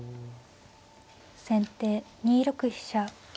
先手２六飛車。